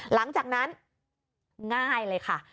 หลังจากนั้นง่ายเลยค่ะ